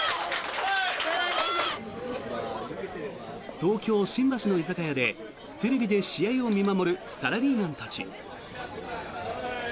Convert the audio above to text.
東京・新橋の居酒屋でテレビで試合を見守るサラリーマンたち。